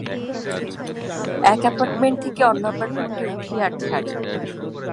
এক এপার্টমেন্ট থেকে অন্য এপার্টমেন্টে উঠি আর ছাড়ি।